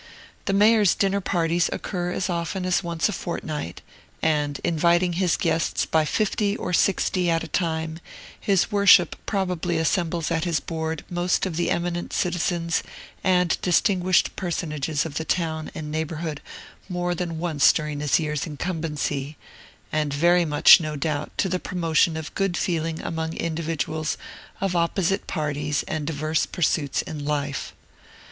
The Mayor's dinner parties occur as often as once a fortnight, and, inviting his guests by fifty or sixty at a time, his Worship probably assembles at his board most of the eminent citizens and distinguished personages of the town and neighborhood more than once during his year's incumbency, and very much, no doubt, to the promotion of good feeling among individuals of opposite parties and diverse pursuits in life.